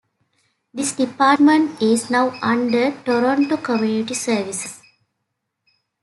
This department is now under Toronto Community Services.